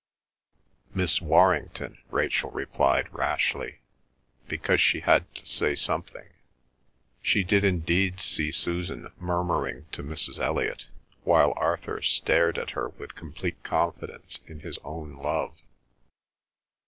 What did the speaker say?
"Miss Warrington," Rachel replied rashly, because she had to say something. She did indeed see Susan murmuring to Mrs. Elliot, while Arthur stared at her with complete confidence in his own love.